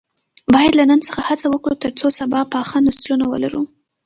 باید له نن څخه هڅه وکړو ترڅو سبا پاخه نسلونه ولرو.